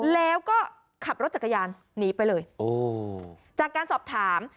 แล้วก็ขับรถจักรยานหนีไปเลยโอ้จากการสอบถาม